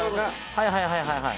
はいはいはいはいはい。